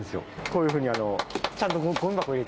こういうふうに、ちゃんとごみ箱